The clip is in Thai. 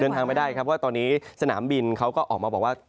ทางไม่ได้ครับว่าตอนนี้สนามบินเขาก็ออกมาบอกว่า